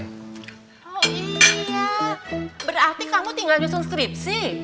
iya berarti kamu tinggal disunskripsi